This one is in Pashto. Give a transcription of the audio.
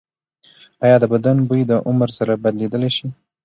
ایا د بدن بوی د عمر سره بدلیدلی شي؟